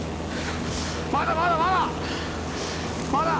まだまだまだ！